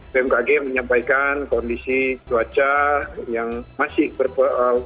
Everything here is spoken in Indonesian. bmkg menyampaikan kondisi cuaca yang masih berpengaruh